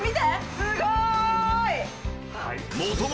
すごーい！